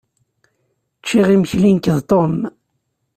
Ččiɣ imekli nekk d Tom.